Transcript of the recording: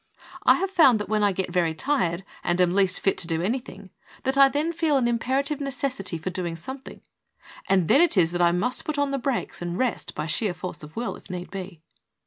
I have found that when I get very tired and am least fit to do anything, that I then feel an imperative necessity for doing something, and then it is that I must put on the brakes and rest by sheer force of will, if need be.